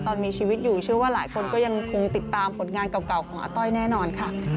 ตอนมีชีวิตอยู่เชื่อว่าหลายคนก็ยังคงติดตามผลงานเก่าของอาต้อยแน่นอนค่ะ